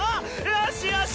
よしよし！